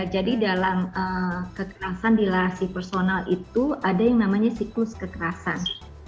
jadi dalam kekerasan di larasi personal itu ada yang namanya siklus kekerasan